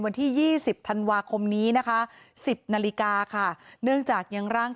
วันที่๒๐ธันวาคมนี้นะคะ๑๐นาฬิกาค่ะเนื่องจากยังร่าง